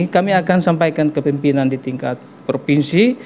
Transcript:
kami akan sampaikan kepimpinan di tingkat provinsi